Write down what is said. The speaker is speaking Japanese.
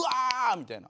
みたいな。